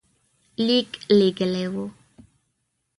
لیک لېږلی وو.